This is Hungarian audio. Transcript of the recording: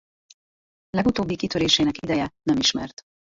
Legutóbbi kitörésének ideje nem ismert.